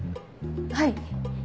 はい。